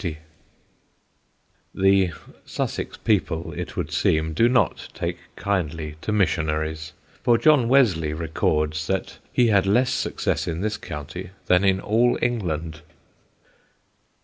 [Sidenote: JOHN WESLEY'S TESTIMONY] The Sussex people, it would seem, do not take kindly to missionaries, for John Wesley records that he had less success in this county than in all England.